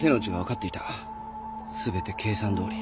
全て計算どおり。